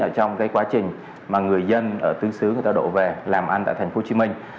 ở trong quá trình mà người dân ở tương xứ đổ về làm ăn tại thành phố hồ chí minh